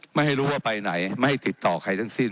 ไม่ให้รู้ว่าไปไหนไม่ให้ติดต่อใครทั้งสิ้น